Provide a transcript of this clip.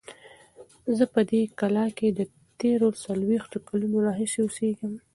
زه په دې کلا کې د تېرو څلوېښتو کلونو راهیسې اوسیږم.